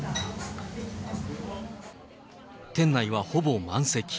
店内はほぼ満席。